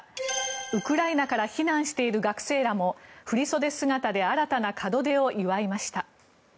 ウクライナから避難している学生らも振り袖姿で新たな門出を祝いました。